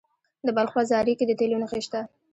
د بلخ په زاري کې د تیلو نښې شته.